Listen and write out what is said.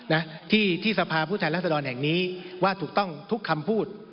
นะที่ที่สภาพุทธภัณฑ์ราษฎรแห่งนี้ว่าถูกต้องทุกคำพูด